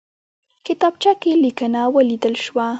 کتابچه کې لیکنه ولیدل شوه.